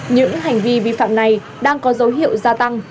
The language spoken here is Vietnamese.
những hành vi vi phạm này đang có dấu hiệu gia tăng